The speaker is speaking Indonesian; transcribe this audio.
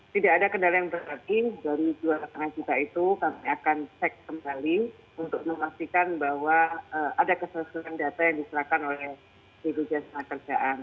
tidak ada kendala yang berarti dari dua lima juta itu kami akan cek kembali untuk memastikan bahwa ada kesesuaian data yang diserahkan oleh bpjs kerjaan